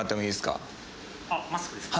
あマスクですか？